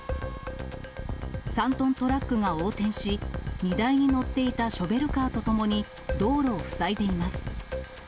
３トントラックが横転し、荷台に載っていたショベルカーと共に道路を塞いでいます。